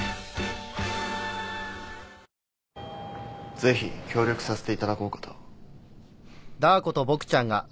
ぜひ協力させていただこうかと。